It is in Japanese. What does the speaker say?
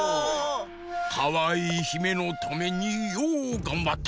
かわいいひめのためにようがんばった！